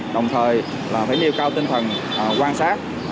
đồng thời phải nêu cao tinh thần quan sát